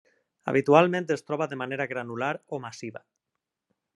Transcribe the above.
Habitualment es troba de manera granular o massiva.